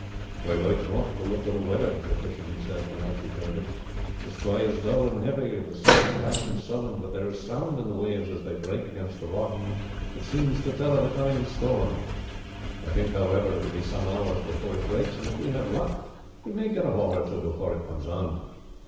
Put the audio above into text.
"I like not the look of the weather," the fisherman said when Archie joined him. "The sky is dull and heavy, the sea is black and sullen, but there is a sound in the waves as they break against the rocks which seems to tell of a coming storm. I think, however, it will be some hours before it breaks, and if we have luck we may get a haul or two before it comes on."